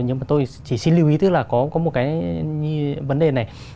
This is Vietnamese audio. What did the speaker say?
nhưng mà tôi chỉ xin lưu ý tức là có một cái vấn đề này